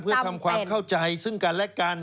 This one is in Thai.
เพื่อทำความเข้าใจซึ่งกันและกัน